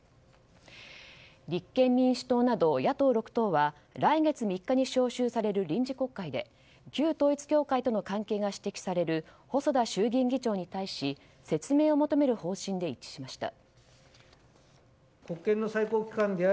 立憲民主党など野党６党は来月３日に召集される臨時国会で旧統一教会との関係が指摘される細田衆議院議長に対し説明を求める方針で一致しました。